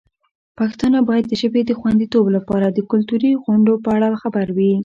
پښتانه باید د ژبې د خوندیتوب لپاره د کلتوري غونډو په اړه خبر وي.